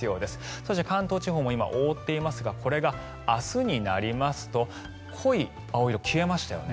そして、関東地方も今、覆っていますが明日になりますと濃い青色、消えましたよね。